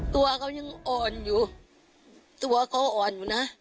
ตัวเขายังอ่อนอยู่ตัวเขาอ่อนอยู่นะ